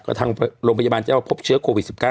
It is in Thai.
ก็ทางโรงพยาบาลเจ้าว่าพบเชื้อโควิด๑๙